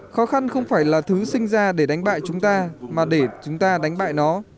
khó khăn không phải là thứ sinh ra để đánh bại chúng ta mà để chúng ta đánh bại nó